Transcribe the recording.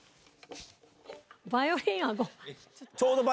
バイオリンアゴ。